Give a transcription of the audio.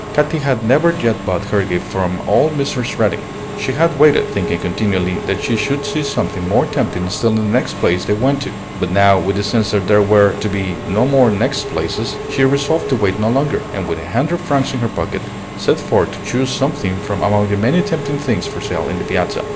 Katy had never yet bought her gift from old Mrs. Redding. She had waited, thinking continually that she should see something more tempting still in the next place they went to; but now, with the sense that there were to be no more "next places," she resolved to wait no longer, and with a hundred francs in her pocket, set forth to choose something from among the many tempting things for sale in the Piazza.